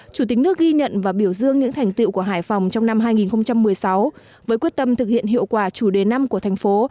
chủ tịch nước ghi nhận và biểu dương những thành tiệu của hải phòng trong năm hai nghìn một mươi sáu với quyết tâm thực hiện hiệu quả chủ đề năm của thành phố